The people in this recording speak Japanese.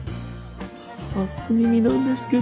初耳なんですけど。